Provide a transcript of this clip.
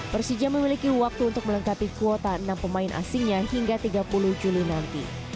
persija memiliki waktu untuk melengkapi kuota enam pemain asingnya hingga tiga puluh juli nanti